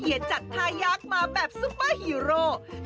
เหยียดจัดทายักษ์มาแบบซุปเปอร์ฮีโร